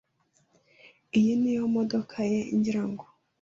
Iyi niyo modoka ye, ngira ngo.